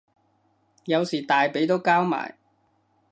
有時大髀都交埋